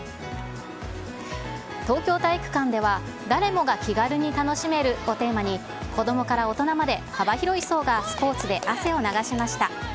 東京体育館では、誰もが気軽に楽しめるをテーマに子どもから大人まで幅広い層が、スポーツで汗を流しました。